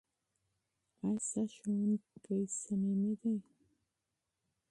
ایا ستا ښوونکی صمیمي دی؟